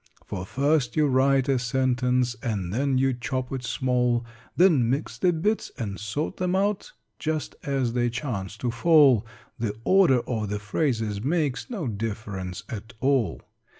"For first you write a sentence, And then you chop it small; Then mix the bits, and sort them out Just as they chance to fall: The order of the phrases makes No difference at all.